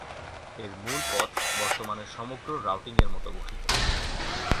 এর মূল পথ বর্তমানের সমগ্র রাউটিং এর মতো গঠিত।